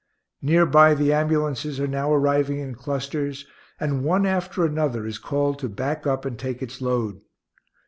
Near by the ambulances are now arriving in clusters, and one after another is called to back up and take its load.